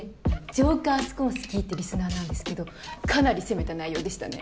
ジョーカー・スコンスキーってリスナーなんですけどかなり攻めた内容でしたね。